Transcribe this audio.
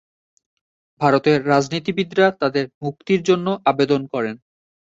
ভারতের রাজনীতিবিদরা তাদের মুক্তির জন্য আবেদন করেন।